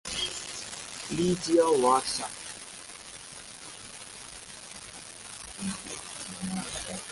Legia Warsaw